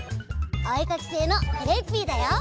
おえかきせいのクレッピーだよ！